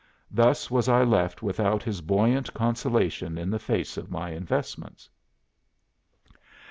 Thus was I left without his buoyant consolation in the face of my investments."